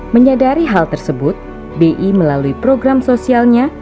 menyadari hal tersebut bi melalui program sosialnya